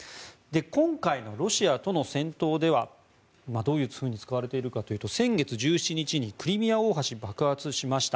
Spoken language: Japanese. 今回のロシアとの戦闘ではどういうふうに使われているかというと先月１７日にクリミア大橋が爆発しました。